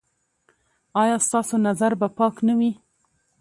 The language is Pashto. ایا ستاسو نظر به پاک نه وي؟